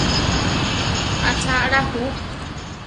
¿Acha alá ju?